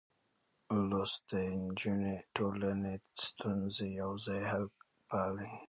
لوستې نجونې د ټولنې ستونزې يوځای حل پالي.